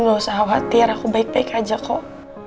gak usah khawatir aku baik baik aja kok